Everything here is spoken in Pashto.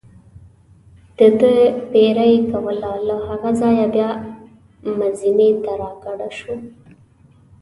دده پیره یې کوله، له هغه ځایه بیا مزینې ته را کډه شو.